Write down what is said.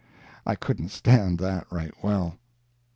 I couldn't stand that right well.